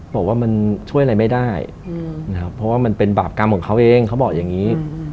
บอกว่ามันช่วยอะไรไม่ได้นะครับเพราะว่ามันเป็นบาปกรรมของเขาเองเขาบอกอย่างนี้